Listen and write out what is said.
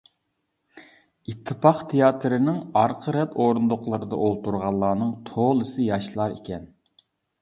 «ئىتتىپاق» تىياتىرىنىڭ ئارقا رەت ئورۇندۇقلىرىدا ئولتۇرغانلارنىڭ تولىسى ياشلار ئىكەن.